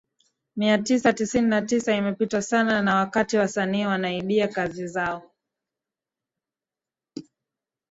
mia tisa tisini na tisa imeipitwa sana na wakati wasanii wanaibia kazi zao